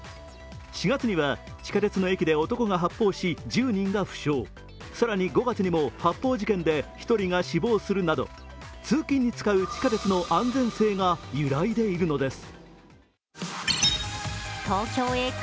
４月には地下鉄の駅で男が発砲し１０人が死傷、更に５月にも発砲事件で１人が死亡するなど通勤に使う地下鉄の安全性が揺らいでいるのです。